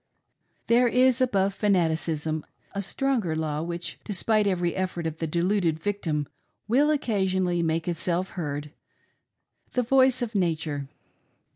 There is above fanaticism a stronger law which, despite every effort of the deluded victim, will occasionally make itself heard — the voice of Nature.